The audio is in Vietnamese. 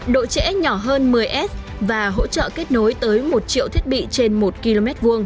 độ trễ nhỏ hơn một mươi s và hỗ trợ kết nối tới một triệu thiết bị trên một km hai